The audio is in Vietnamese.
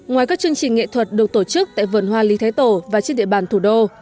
ngoài các chương trình nghệ thuật được tổ chức tại vườn hoa lý thái tổ và trên địa bàn thủ đô